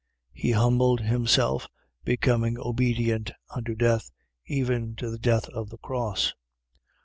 He humbled himself, becoming obedient unto death, even to the death of the cross.